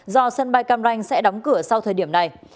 do sân bay cam ranh sẽ đóng cửa sau thời điểm này